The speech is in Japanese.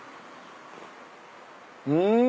うん。